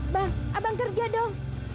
bang abang kerja dong